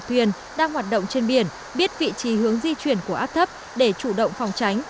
thuyền đang hoạt động trên biển biết vị trí hướng di chuyển của áp thấp để chủ động phòng tránh